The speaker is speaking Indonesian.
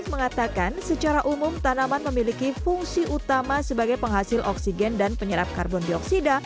mengatakan secara umum tanaman memiliki fungsi utama sebagai penghasil oksigen dan penyerap karbon dioksida